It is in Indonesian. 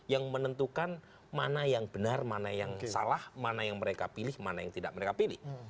yang menentukan mana yang benar mana yang salah mana yang mereka pilih mana yang tidak mereka pilih